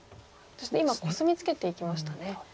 そして今コスミツケていきましたね。